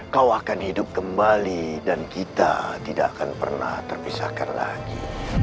kau akan hidup kembali dan kita tidak akan pernah terpisahkan lagi